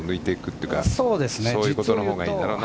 そういうことのほうがいいだろう。